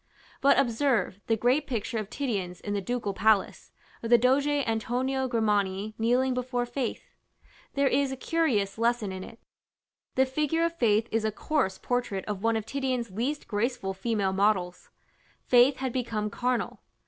But observe the great picture of Titian's in the ducal palace, of the Doge Antonio Grimani kneeling before Faith: there is a curious lesson in it. The figure of Faith is a coarse portrait of one of Titian's least graceful female models: Faith had become carnal.